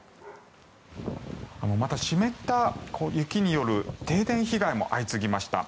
また、湿った雪による停電被害も相次ぎました。